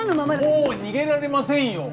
もう逃げられませんよ！